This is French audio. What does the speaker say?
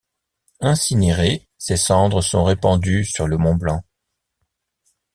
Incinéré, ses cendres sont répandues sur le Mont-Blanc.